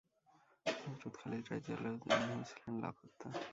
হযরত খালিদ রাযিয়াল্লাহু আনহু ছিলেন লাপাত্তা।